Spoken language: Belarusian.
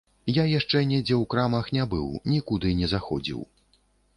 Я яшчэ недзе ў крамах не быў, нікуды не заходзіў.